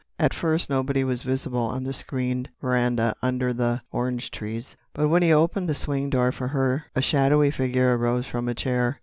At first nobody was visible on the screened veranda under the orange trees. But when he opened the swing door for her a shadowy figure arose from a chair.